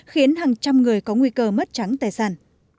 khiến hàng trăm người có nguy cơ mất trắng tài sản